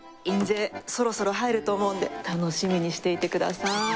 印税そろそろ入ると思うので楽しみにしていてください。